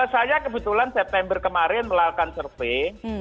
saya kebetulan september kemarin melakukan survei